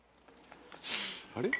あれ？